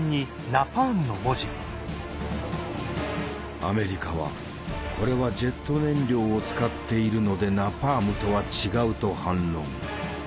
アメリカは「これはジェット燃料を使っているのでナパームとは違う」と反論。